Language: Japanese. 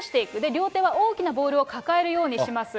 両手は大きなボールを抱えるようにします。